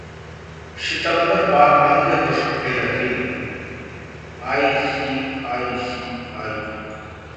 सितंबर बाद महंगे हो सकते हैं ऋण: आईसीआईसीआई